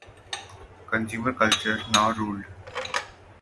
Consumer culture now ruled.